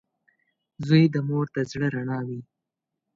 • زوی د مور د زړۀ رڼا وي.